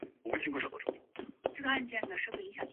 委内瑞拉共产主义青年是委内瑞拉共产党的青年翼。